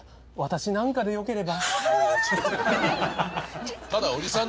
私なんかでよければ。